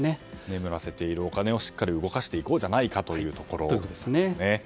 眠らせているお金をしっかり動かしていこうというところですね。